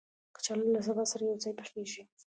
کچالو له سابه سره یو ځای پخېږي